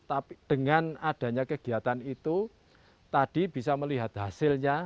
tapi dengan adanya kegiatan itu tadi bisa melihat hasilnya